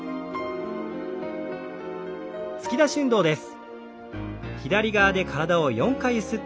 突き出し運動です。